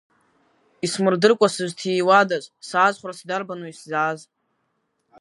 Исмырдыркәа сызҭиуадаз, саазхәарц дарбану исзааз?